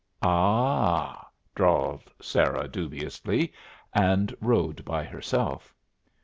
"A h!" drawled Sarah, dubiously, and rode by herself.